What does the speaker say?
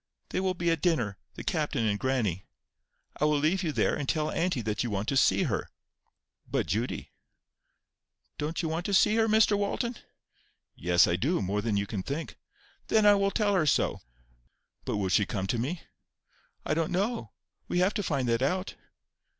They will be at dinner—the captain and grannie. I will leave you there, and tell auntie that you want to see her." "But, Judy,— " "Don't you want to see her, Mr Walton?" "Yes, I do; more than you can think." "Then I will tell her so." "But will she come to me?" "I don't know. We have to find that out."